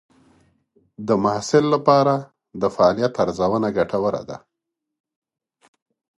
د محصل لپاره د فعالیت ارزونه ګټوره ده.